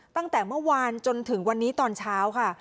ตั้งแต่เมื่อวานจนถึงวันนี้ตอนเช้าค่ะ